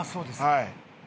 はい。